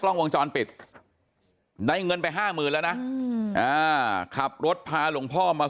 กล้องวงจรปิดได้เงินไปห้าหมื่นแล้วนะขับรถพาหลวงพ่อมา